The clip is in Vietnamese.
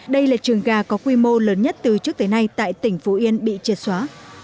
đây là trường gà có quy mô lớn nhất từ trước tới nay tại tỉnh phú yên bị triệt xóa